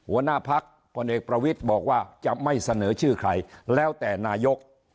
หัวหน้าพักพลเอกประวิทย์บอกว่าจะไม่เสนอชื่อใครแล้วแต่นายก